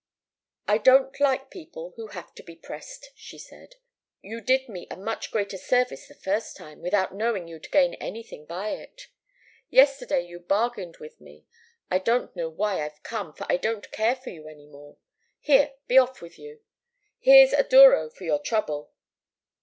"'I don't like people who have to be pressed,' she said. 'You did me a much greater service the first time, without knowing you'd gain anything by it. Yesterday you bargained with me. I don't know why I've come, for I don't care for you any more. Here, be off with you. Here's a douro for your trouble.